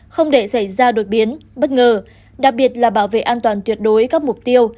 không để xảy ra đột biến bất ngờ đặc biệt là bảo vệ an toàn tuyệt đối các mục tiêu